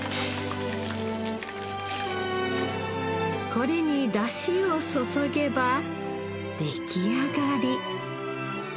これに出汁を注げば出来上がり